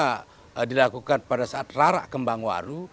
hanya itu kenapa dilakukan pada saat rara kembang waru